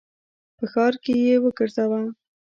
په ښار کي یې وګرځوه !